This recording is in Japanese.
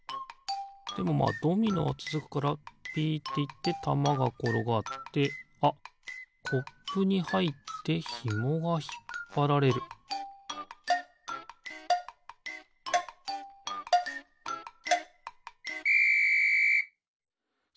でもまあドミノはつづくからピッていってたまがころがってあっコップにはいってひもがひっぱられるピッ！